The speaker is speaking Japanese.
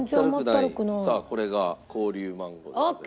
さあこれが紅龍マンゴーでございます。